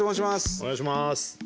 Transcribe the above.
お願いします。